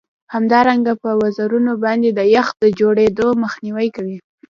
همدارنګه په وزرونو باندې د یخ د جوړیدو مخنیوی کوي